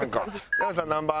山内さん何番？